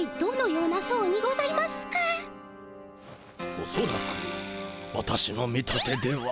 おそらく私の見立てでは。